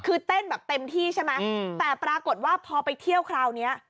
คือเต้นแบบเต็มที่ใช่ไหมแต่ปรากฏว่าพอไปเที่ยวคราวนี้